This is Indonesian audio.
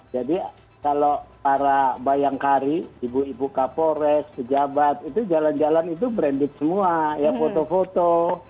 jadi kalau para bayangkari ibu ibu kapores sejabat itu jalan jalan itu branded semua ya foto foto